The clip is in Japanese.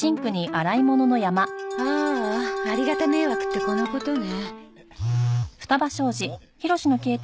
ああありがた迷惑ってこのことね。